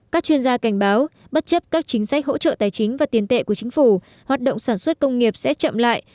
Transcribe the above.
các chính sách hỗ trợ tài chính và tiền tệ của chính phủ hoạt động sản xuất công nghiệp sẽ chậm lại